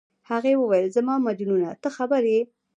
هغې وویل: زما مجنونه، ته خبر یې؟